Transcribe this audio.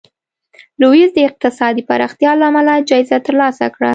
لویس د اقتصادي پراختیا له امله جایزه ترلاسه کړه.